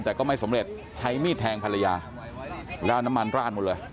แต่ก็ไม่สำเร็จใช้มีดแทงภรรยาแล้วเอาน้ำมันราดหมดเลย